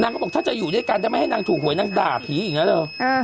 นางก็บอกถ้าจะอยู่ด้วยกันจะไม่ให้นางถูกหวยนางด่าผีอย่างนั้นหรอเออ